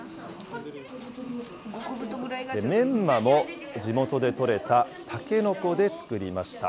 メンマも地元で採れたたけのこで作りました。